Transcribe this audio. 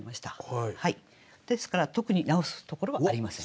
ですから特に直すところはありません。